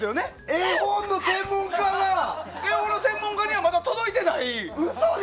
絵本の専門家にはまだ届いていない！